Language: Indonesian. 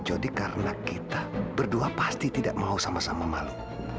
karena kita berdua pasti tidak mau sama sama malu